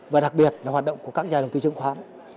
và đặc biệt là hoạt động của các nhà đầu tư chứng khoán